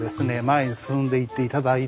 前に進んでいって頂いて。